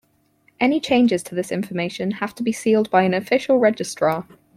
Any changes to this information have to be sealed by an official registrar.